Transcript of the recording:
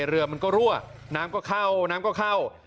เรือมันก็รั่วน้ำก็เข้า